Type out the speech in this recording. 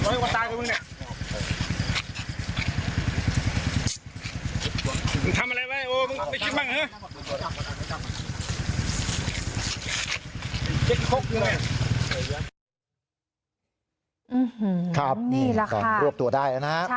นี่ครับนี่แหละค่ะกรวบตัวได้แล้วนะครับ